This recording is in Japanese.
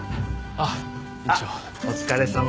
あっお疲れさま。